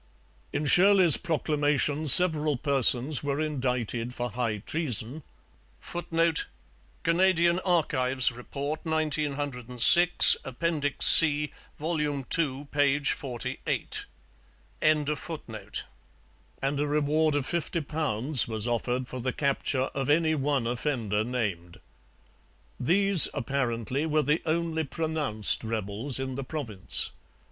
In Shirley's proclamation several persons were indicted for high treason, [Footnote: Canadian Archives Report, 1906, Appendix C, vol. ii, p. 48.] and a reward of 50 pounds was offered for the capture of any one offender named. These, apparently, were the only pronounced rebels in the province.